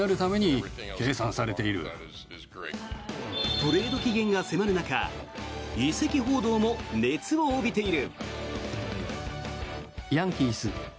トレード期限が迫る中移籍報道も熱を帯びている。